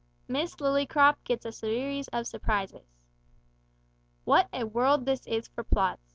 MISS LILLYCROP GETS A SERIES OF SURPRISES. What a world this is for plots!